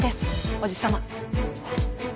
おじ様！？